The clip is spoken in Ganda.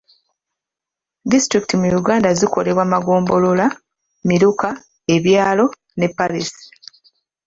Disitulikiti mu Uganda zikolebwa maggombolola, miruka, ebyalo ne paaliisi.